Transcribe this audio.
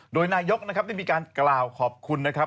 โดยนายกนะครับได้มีการกล่าวขอบคุณนะครับ